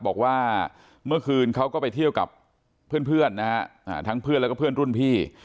บอกว่าเมื่อคืนเขาก็ไปเที่ยวกับเพื่อนนะฮะทั้งเพื่อนแล้วก็เพื่อนรุ่นพี่